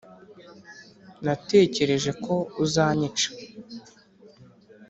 natekereje ko uzanyica ...